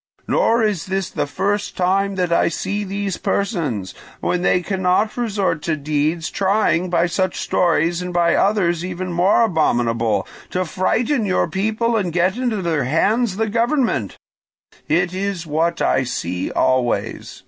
Nor is this the first time that I see these persons, when they cannot resort to deeds, trying by such stories and by others even more abominable to frighten your people and get into their hands the government: it is what I see always.